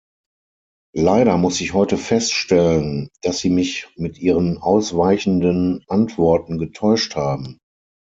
Leider muss ich heute feststellen, dass sie mich mit ihren ausweichenden Antworten getäuscht haben.